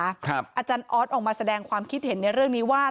อาจารย์ออสออกมาแสดงความคิดเห็นในเรื่องนี้ว่า